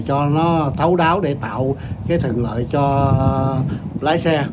cho nó thấu đáo để tạo cái thuận lợi cho lái xe